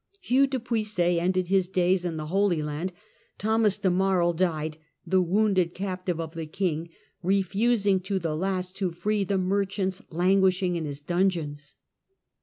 Hugue du Puiset ended his days in the Holy Land. Thomas de Marie died, the wounded captive of the King, refusing to the last to free the merchants languishing in his dungeons.